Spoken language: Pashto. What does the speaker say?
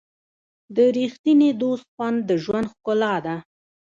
د ریښتیني دوست خوند د ژوند ښکلا ده.